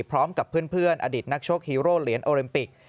พร้อมกับเพื่อนอดิตนักชกฮีโร่เหรียญโอลิมปิก